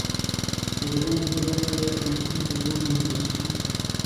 د بدن ځینې برخې باید سمدستي په اوبو ومینځل شي.